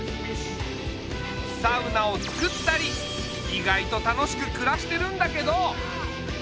サウナをつくったり意外と楽しくくらしてるんだけど。